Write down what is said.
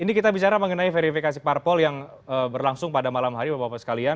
ini kita bicara mengenai verifikasi parpol yang berlangsung pada malam hari bapak bapak sekalian